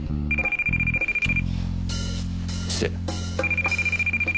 失礼。